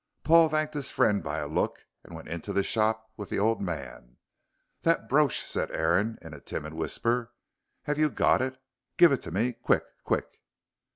Paul thanked his friend by a look and went into the shop with the old man. "That brooch," said Aaron, in a timid whisper, "have you got it? Give it to me quick quick."